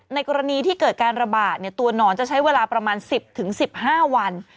กรณีที่เกิดการระบาดตัวหนอนจะใช้เวลาประมาณ๑๐๑๕วัน